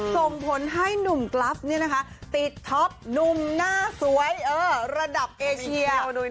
ส่งผลให้หนุ่มกราฟติดท็อปหนุ่มหน้าสวยระดับเอเชีย